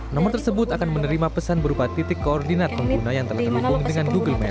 nomor tersebut akan menerima pesan berupa titik koordinat pengguna yang telah terhubung dengan google map